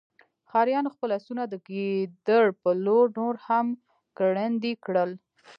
ښکاریانو خپل آسونه د ګیدړ په لور نور هم ګړندي کړل